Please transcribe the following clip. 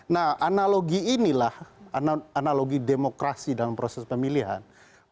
nah analogi inilah analogi demokrasi dalam proses pemilihan